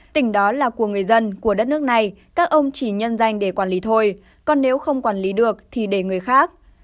tỉnh đó là của người dân của đất nước này các ông chỉ nhân danh để quản lý thôi còn nếu không quản lý được thì để người khác